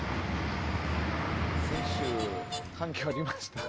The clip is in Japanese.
先週、反響ありました？